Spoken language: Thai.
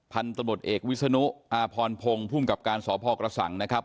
พันธุ์ตำรวจเอกวิศนุอพรพงศ์ภูมิกับการสอบภอกระสั่งนะครับ